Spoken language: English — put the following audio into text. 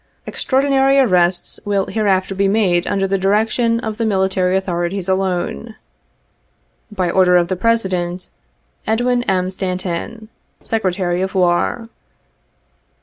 Extraordinary arrests will hereafter be made under the direction of the military authorities alone. '' By order of the President. " EDWIN M. STANTON, " Secretary of War."